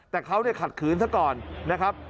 แต่เขาขัดขืนซะก่อนนะครับ